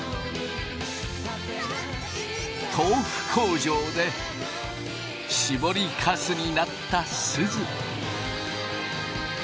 豆腐工場でしぼりかすになったすず。